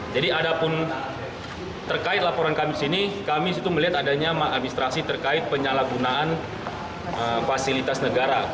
jadi ada pun terkait laporan kami di sini kami melihat adanya maladministrasi terkait penyalahgunaan fasilitas negara